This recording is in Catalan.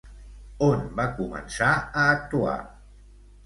On va començar a actuar?